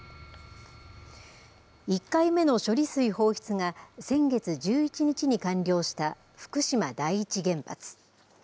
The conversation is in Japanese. １回目の処理水放出が先月１１日に完了した福島第一原発。